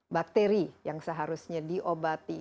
bakteri yang seharusnya diobati